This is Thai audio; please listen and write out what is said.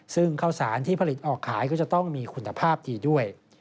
ซึ่งข้าวสารที่ผลิตออกขายก็จะต้องมีคุณภาพดีด้วย